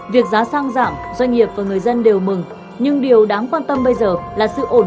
việc giá xăng giảm doanh nghiệp và người dân đều mừng nhưng điều đáng quan tâm bây giờ là sự ổn